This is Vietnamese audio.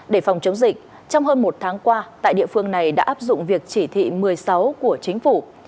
để phòng chống dịch trong hơn một tháng qua tại địa phương này đã áp dụng việc chỉ thị một mươi sáu của chính phủ